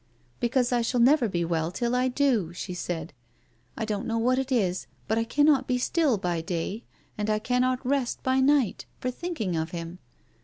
" Because I shall never be well till I do," she said. " I don't know what it is, but I cannot be still by day, and I cannot rest by night, for think ing of him.